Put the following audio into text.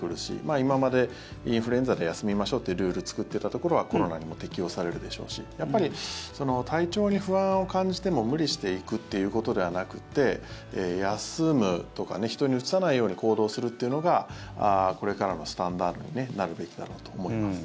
今までインフルエンザで休みましょうというルールを作ってたところはコロナにも適用されるでしょうしやっぱり体調に不安を感じても無理して行くっていうことではなくて休むとか人にうつさないように行動するっていうのがこれからのスタンダードになるべきだろうと思います。